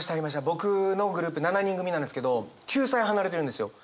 僕のグループ７人組なんですけど９歳離れてるんですよ。